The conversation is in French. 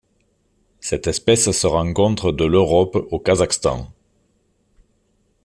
Cette espèce se rencontre de l'Europe au Kazakhstan.